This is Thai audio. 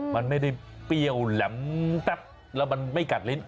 มันไม่ได้เปรี้ยวแหลมแต๊บแล้วมันไม่กัดลิ้น